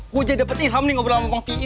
gue aja dapet ilham nih ngobrol sama bang pi ini